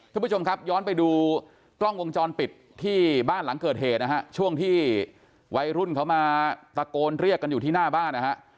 คุณผู้ชมครับย้อนไปดูกล้องวงจรปิดที่บ้านหลังเกิดเหตุนะฮะช่วงที่วัยรุ่นเขามาตะโกนเรียกกันอยู่ที่หน้าบ้านนะฮะ